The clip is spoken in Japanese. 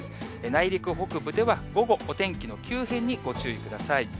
内陸北部では、午後、お天気の急変にご注意ください。